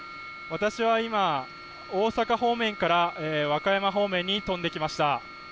私は今、大阪方面から和歌山方面に飛んできました。